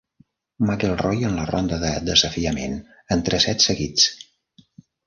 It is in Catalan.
McElroy en la ronda de desafiament en tres sets seguits.